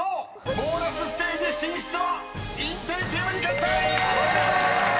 ［ボーナスステージ進出はインテリチームに決定！］